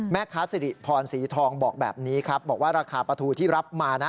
สิริพรสีทองบอกแบบนี้ครับบอกว่าราคาปลาทูที่รับมานะ